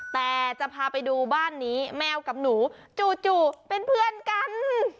แต่จะพาไปดูบ้านนี้แมวกับหนูจู่เป็นเพื่อนกัน